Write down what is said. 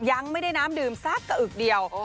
ยังไม่ได้น้ำดื่มสักกระอึกเดียว